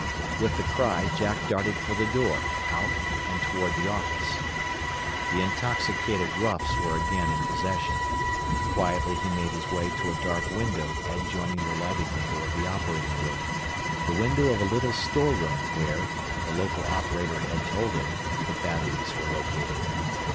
With the cry Jack darted for the door, out, and toward the office. The intoxicated roughs were again in possession. Quietly he made his way to a dark window adjoining the lighted window of the operating room the window of a little store room, where, the local operator had told him, the batteries were located.